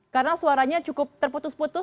karena suaranya cukup terputus putus